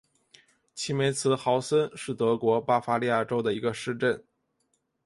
齐梅茨豪森是德国巴伐利亚州的一个市镇。